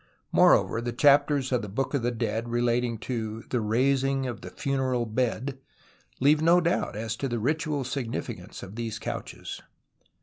JNIoreover, the chapters of the Book of the Dead relating to " the raising of the funeral bed " leave no doubt as to the ritual signifi cance of these couches.